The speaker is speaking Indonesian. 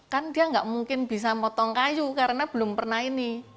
kan dia nggak mungkin bisa potong kayu karena belum pernah ini